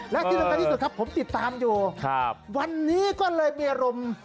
และที่ดังนั้นที่สุดผมติดตามอยู่ครับวันนี้ก็เลยมีอารมณ์